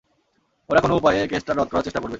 ওরা যেকোনো উপায়ে কেসটা রদ করার চেষ্টা করবে।